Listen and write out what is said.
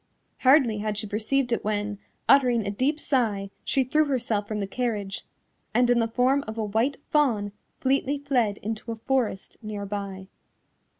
Hardly had she perceived it when, uttering a deep sigh, she threw herself from the carriage, and in the form of a white fawn fleetly fled into a forest near by.